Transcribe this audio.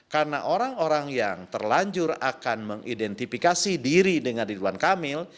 karena orang orang yang terlanjur akan mengidentifikasi diri dengan ridwan kamil